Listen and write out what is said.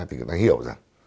thì người ta hiểu rằng